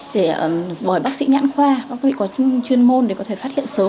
để bởi bác sĩ nhãn khoa bác sĩ có chuyên môn để có thể phát hiện sớm